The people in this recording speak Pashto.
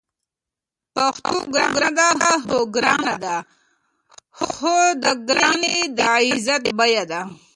پښتو ګرانه ده؟ هو، ګرانه ده؛ خو دا ګرانی د عزت بیه ده